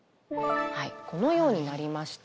はいこのようになりました。